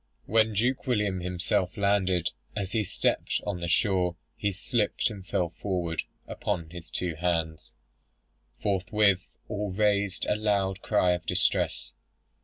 "When Duke William himself landed, as he stepped on the shore, he slipped and fell forward upon his two hands. Forthwith all raised a loud cry of distress.